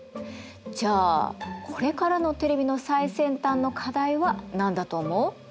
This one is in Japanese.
じゃあこれからのテレビの最先端の課題は何だと思う？